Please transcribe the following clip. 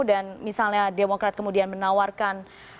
dan misalnya demokrat kemudian menawarkan